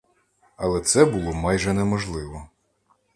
Але це було майже неможливо.